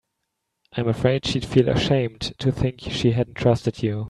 I'm afraid she'd feel ashamed to think she hadn't trusted you.